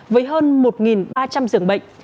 với hơn một ba trăm linh dưỡng bệnh